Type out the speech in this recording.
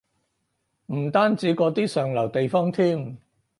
唔單止嗰啲上流地方添